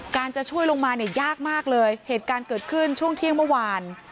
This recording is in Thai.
จะช่วยลงมาเนี่ยยากมากเลยเหตุการณ์เกิดขึ้นช่วงเที่ยงเมื่อวาน